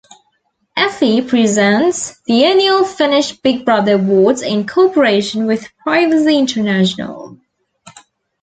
Effi presents the annual Finnish Big Brother Awards in cooperation with Privacy International.